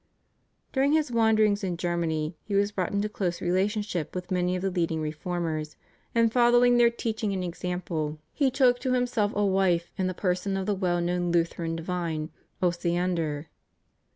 During his wanderings in Germany he was brought into close relationship with many of the leading Reformers, and following their teaching and example he took to himself a wife in the person of the well known Lutheran divine, Osiander.